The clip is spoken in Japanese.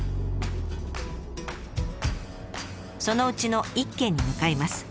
そのうちの１軒に向かいます。